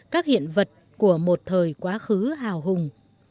các hiện vật của một thời quá khứ hào hùng